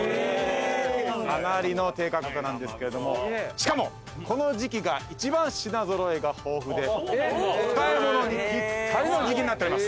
かなりの低価格なんですけれどもしかもこの時期が一番品揃えが豊富でお買い物にぴったりの時期になっております。